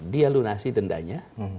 dia lunasi dendanya